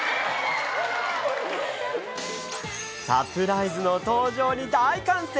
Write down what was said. サプライズの登場に大歓声。